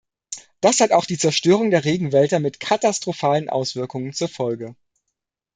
Das hat auch die Zerstörung der Regenwälder mit katastrophalen Auswirkungen zur Folge.